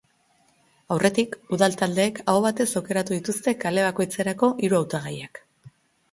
Aurretik, udal taldeek aho batez aukeratu dituzte kale bakoitzerako hiru hautagaiak.